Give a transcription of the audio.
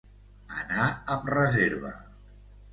Anar amb reserva.